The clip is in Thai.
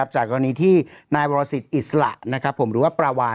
จากกรณีที่นายวรสิทธิอิสระผมหรือว่าปลาวาน